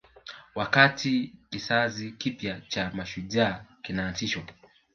Wakati kizazi kipya cha mashujaa kinaanzishwa